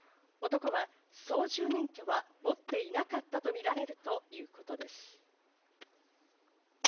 男は操縦免許は持っていなかったとみられるということです。